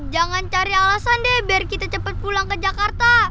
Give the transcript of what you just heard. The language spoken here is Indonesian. jangan cari alasan deh biar kita cepat pulang ke jakarta